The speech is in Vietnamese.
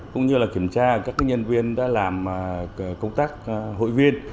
cũng như kiểm tra các nhân viên đã làm công tác hội viên